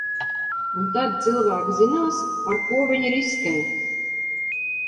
Un tad cilvēki zinās, ar ko viņi riskē.